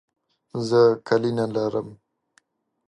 زه کالي نه لرم.